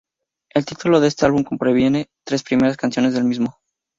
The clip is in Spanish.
El título de este álbum proviene de las tres primeras canciones del mismo.